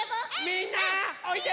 みんなおいで！